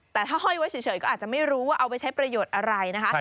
แต่ถ้าห้อยไว้เฉยก็อาจจะไม่รู้ว่าเอาไปใช้ประโยชน์อะไรนะคะ